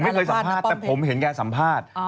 ผมไม่เคยสัมภาษณ์แต่ผมเห็นแกสัมภาษณ์